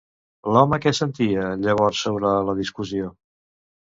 L'home què sentia, llavors, sobre la discussió?